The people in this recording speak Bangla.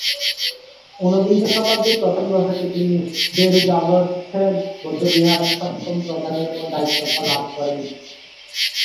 ঊনবিংশ শতাব্দীর প্রথম দশকে তিনি র্দ্জোগ্স-ছেন বৌদ্ধবিহারের সপ্তম প্রধানের দায়িত্ব লাভ করেন।